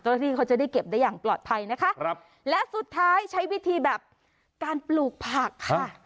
ที่เขาจะได้เก็บได้อย่างปลอดภัยนะคะครับและสุดท้ายใช้วิธีแบบการปลูกผักค่ะ